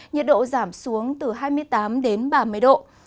nhiệt độ giảm xuống từ hai mươi tám đến ba mươi độ